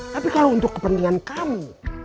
tapi kalau untuk kepentingan kami